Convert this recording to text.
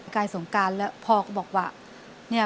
กายสงการแล้วพ่อก็บอกว่า